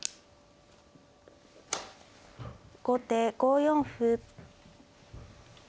後手５四歩。